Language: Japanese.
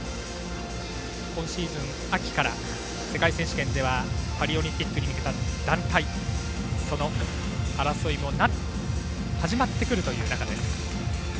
今シーズン秋から世界選手権ではパリオリンピックに向けた団体その争いも始まるということです。